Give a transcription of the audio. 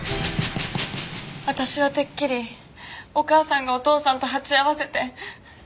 私はてっきりお母さんがお父さんと鉢合わせて。